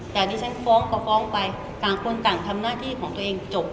แต่อันนี้ฉันฟ้องก็ฟ้องไปต่างคนต่างทำหน้าที่ของตัวเองจบ